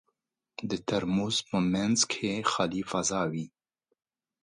د ترموز په منځ کې خالي فضا وي.